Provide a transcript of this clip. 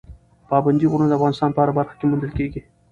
پابندی غرونه د افغانستان په هره برخه کې موندل کېږي.